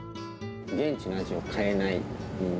現地の味を変えない。